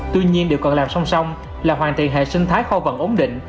tuy nhiên điều còn làm song song là hoàn thiện hệ sinh thái kho vận ống định